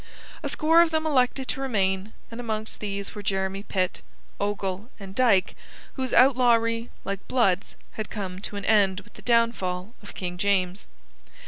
A score of them elected to remain, and amongst these were Jeremy Pitt, Ogle, and Dyke, whose outlawry, like Blood's, had come to an end with the downfall of King James.